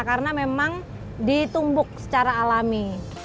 karena memang ditumbuk secara alami